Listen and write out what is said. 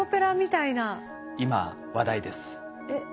今話題です。え？